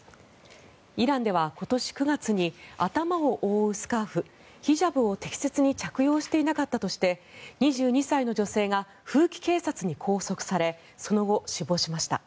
イランでは今年９月に頭を覆うスカーフヒジャブを適切に着用していなかったとして２２歳の女性が風紀警察に拘束されその後、死亡しました。